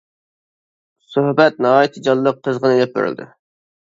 سۆھبەت ناھايىتى جانلىق، قىزغىن ئېلىپ بېرىلدى.